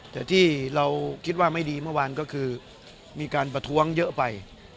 แต่ที่เราคิดว่าไม่ดีเมื่อวานก็คือมีการประท้วงเยอะไป